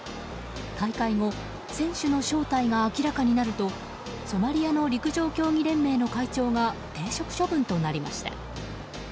大会後、選手の正体が明らかになるとソマリアの陸上競技連盟の会長が停職処分となりました。